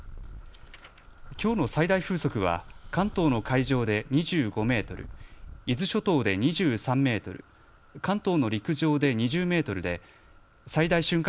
きょうの最大風速は関東の海上で２５メートル、伊豆諸島で２３メートル、関東の陸上で２０メートルで最大瞬間